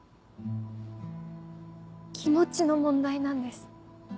気持ちの問題なんです。